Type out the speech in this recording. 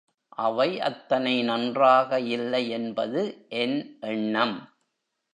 அவை அத்தனை நன்றாக இல்லை என்பது என் எண்ணம்.